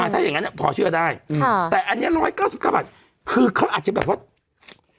ถ้าอย่างนั้นพอเชื่อได้แต่อันนี้๑๙๙บาทคือเขาอาจจะแบบว่า